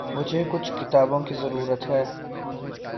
مجھے کچھ کتابوں کی ضرورت ہے۔